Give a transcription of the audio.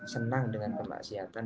senang dengan pembahasihatan